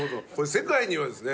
世界にはですね